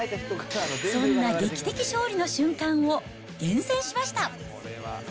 そんな劇的勝利の瞬間を、厳選しました。